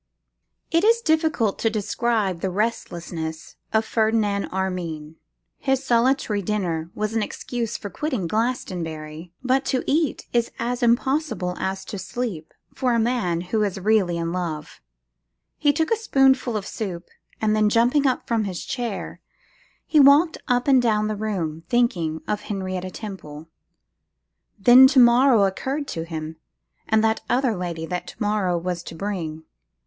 _ IT IS difficult to describe the restlessness of Ferdinand Armine. His solitary dinner was an excuse for quitting Glastonbury: but to eat is as impossible as to sleep, for a man who is really in love. He took a spoonful of soup, and then jumping up from his chair, he walked up and down the room, thinking of Henrietta Temple. Then to morrow occurred to him, and that other lady that to morrow was to bring.